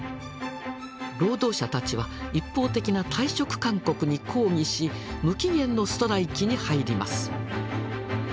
労働者たちは一方的な退職勧告に抗議し無期限のストライキに入ります。